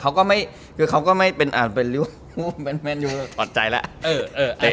เขาก็ไม่คือเขาก็ไม่เป็นอ่าเป็นเป็นปลอดใจล่ะเออเออเออ